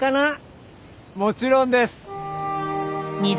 もちろんです！